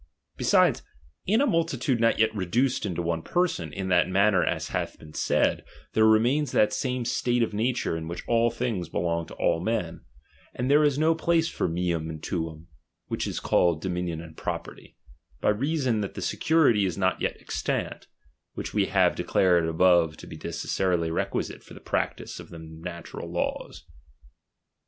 Besides, in a multitude not yet reduced into one personj in that manner as hath been said, there remains that same state of nature in which all things belong to all men ; and there is no place for nieum and tuiim, which is called dominion and propriety, by reason %t that security is not yet extant, which we have Qeclared above to be necessarily requisite for the practice of the natural laws.